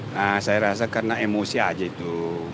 nah saya rasa karena emosi aja itu